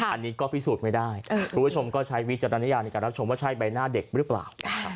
อันนี้ก็พิสูจน์ไม่ได้คุณผู้ชมก็ใช้วิจารณญาณในการรับชมว่าใช่ใบหน้าเด็กหรือเปล่า